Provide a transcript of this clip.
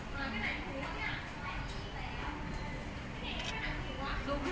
ว่าอยากดู